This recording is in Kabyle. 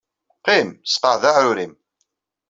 Qqim, sseqɛed aɛrur-nnem.